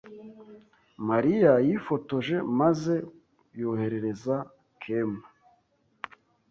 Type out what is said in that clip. Mariya yifotoje maze yoherereza kemba.